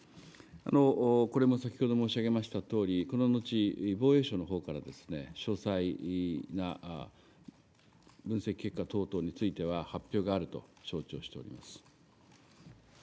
これも先ほど申し上げましたとおり、この後、防衛省のほうから詳細な分析結果等々については、発表があると承知をしております。